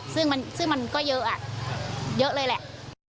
ซึ่งมันก็เยอะเยอะเลยแหละ